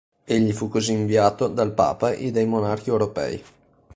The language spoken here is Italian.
Egli fu così inviato dal papa e dai monarchi europei.